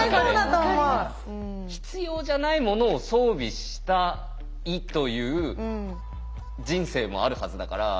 必要じゃないものを装備したいという人生もあるはずだから。